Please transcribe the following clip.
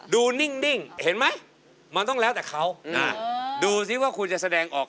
นิ่งเห็นไหมมันต้องแล้วแต่เขาดูซิว่าคุณจะแสดงออก